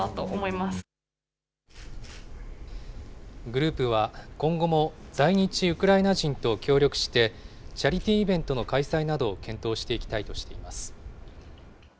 グループは、今後も在日ウクライナ人と協力して、チャリティーイベントの開催などを検討していきたいとしています。